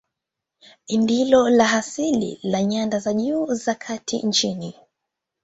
Ndilo la asili la nyanda za juu za kati nchini.